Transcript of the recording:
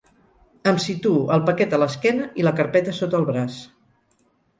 Em situo el paquet a l'esquena i la carpeta sota el braç.